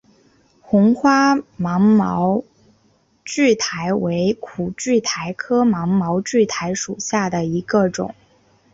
红花芒毛苣苔为苦苣苔科芒毛苣苔属下的一个种。